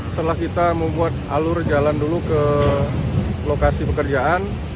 setelah kita membuat alur jalan dulu ke lokasi pekerjaan